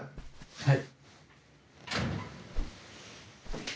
はい。